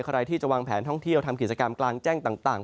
ใครที่จะวางแผนท่องเที่ยวทำกิจกรรมกลางแจ้งต่าง